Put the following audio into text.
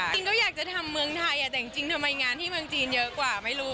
จริงก็อยากจะทำเมืองไทยแต่จริงทำไมงานที่เมืองจีนเยอะกว่าไม่รู้